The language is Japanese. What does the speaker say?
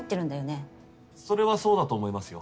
それはそうだと思いますよ